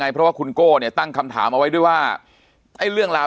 เพราะว่าคุณโก้เนี่ยตั้งคำถามเอาไว้ด้วยว่าไอ้เรื่องราว